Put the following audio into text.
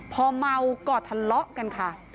พอเมาก็ทะเลาะกันค่ะ